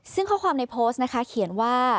ซึ่งข้อความในโพสต์นะคะเขียนว่า